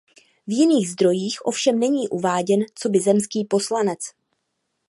V jiných zdrojích ovšem není uváděn coby zemský poslanec.